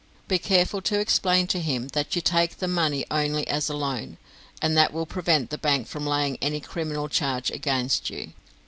Be careful to explain to him that you take the money only as a loan, and that will prevent the bank from laying any criminal charge against you.